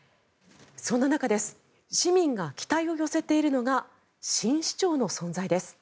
そんな中市民が期待を寄せているのが新市長の存在です。